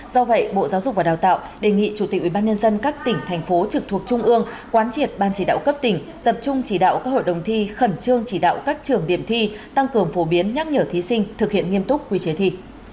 do vậy bộ giáo dục và đào tạo đề nghị chủ tịch ubnd các tỉnh thành phố trực thuộc trung ương quán triệt ban chỉ đạo cấp tỉnh tập trung chỉ đạo các hội đồng thi khẩn trương chỉ đạo các trường điểm thi tăng cường phổ biến nhắc nhở thí sinh thực hiện nghiêm túc quy chế thi